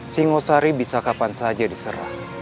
singosari bisa kapan saja diserah